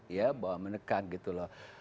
ya bahwa menekan gitu loh